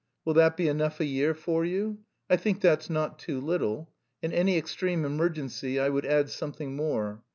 Will that be enough a year for you? I think that's not too little? In any extreme emergency I would add something more.